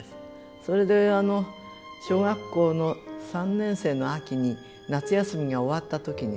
それで小学校の３年生の秋に夏休みが終わった時にね